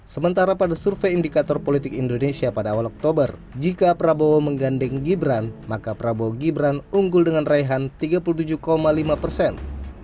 sementara pada survei indikator politik indonesia pada awal oktober jika prabowo menggandeng gibran maka prabowo gibran unggul dengan raihan tiga puluh tujuh lima persen